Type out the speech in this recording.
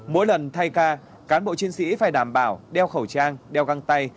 mỗi lần thay ca cán bộ chiến sĩ phải đảm bảo đeo khẩu trang đeo găng tay